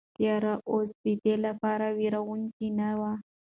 تیاره اوس د ده لپاره وېروونکې نه وه.